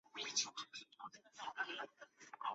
苏德尔堡是德国下萨克森州的一个市镇。